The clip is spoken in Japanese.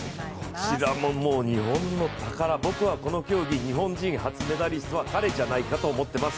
こちらも日本の宝、僕はこの競技、日本人初メダリストは彼じゃないかと思っています。